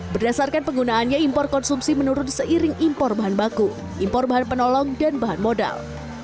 berdasarkan penggunaannya impor konsumsi menurun seiring impor bahan baku impor bahan penolong dan bahan modal